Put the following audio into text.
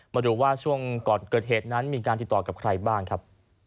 มาดูว่าช่วงก่อนเกิดเหตุนั้นมีการติดต่อกับใครบ้างครับ